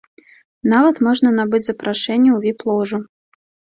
Нават можна набыць запрашэнні ў віп-ложу.